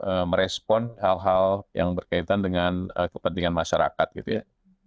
untuk merespon hal hal yang berkaitan dengan kepentingan masyarakat gitu ya